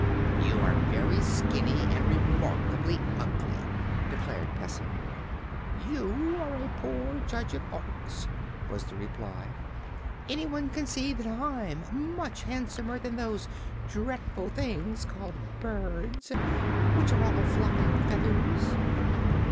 "You are very skinny and remarkably ugly," declared Pessim. "You are a poor judge of Orks," was the reply. "Anyone can see that I'm much handsomer than those dreadful things called birds, which are all fluff and feathers."